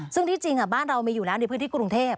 ซึ่งที่จริงบ้านเรามีอยู่แล้วในพื้นที่กรุงเทพ